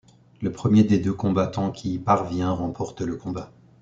Le premier des deux combattants qui y parvient remporte le combat.